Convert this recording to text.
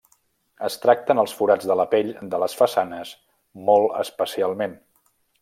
Es tracten els forats de la pell de les façanes molt especialment.